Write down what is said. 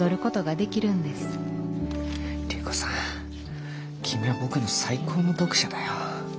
隆子さん君は僕の最高の読者だよ。